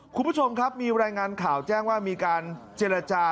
คุณผู้ชมครับมีรายงานข่าวแจ้งว่ามีการเจรจา